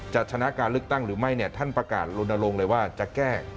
จะถนาการลึกตั้งหรือไม่ท่านประกาศลงนาลงเลยว่าจะแก้